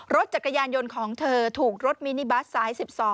รถจักรยานยนต์ของเธอถูกรถมินิบัสสาย๑๒